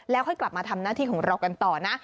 ค่อยกลับมาทำหน้าที่ของเรากันต่อนะ